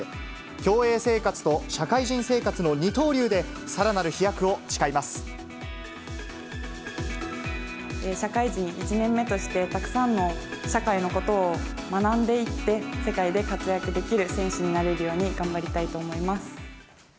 競泳生活と社会人生活の二刀流で、社会人１年目として、たくさんの社会のことを学んでいって、世界で活躍できる選手になれるように頑張りたいと思います。